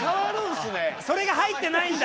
それが入ってないんだ。